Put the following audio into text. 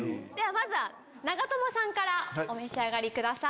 まずは長友さんからお召し上がりください。